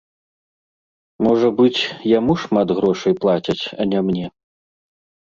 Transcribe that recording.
Можа быць, яму шмат грошай плацяць, а не мне.